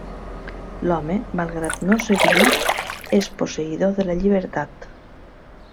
L'Home, malgrat no ser diví, és posseïdor de la llibertat.